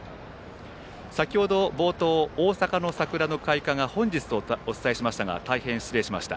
先程、大阪の桜の開花が本日とお伝えしましたが大変、失礼いたしました。